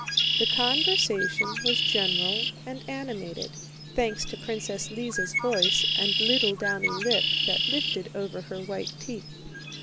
The conversation was general and animated, thanks to Princess Lise's voice and little downy lip that lifted over her white teeth.